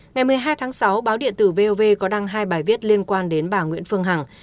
ngày một mươi hai tháng sáu báo điện tử vov có đăng hai bài viết liên quan đến bà nguyễn phương hằng